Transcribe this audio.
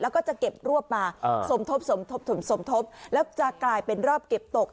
แล้วก็จะเก็บรวบมาสมทบสมทบถึงสมทบแล้วจะกลายเป็นรอบเก็บตก